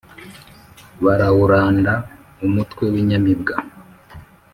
barawuranda umutwe w' inyamibwa